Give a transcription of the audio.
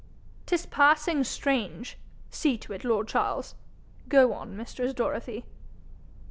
''Tis passing strange. See to it, lord Charles. Go on, mistress Dorothy.'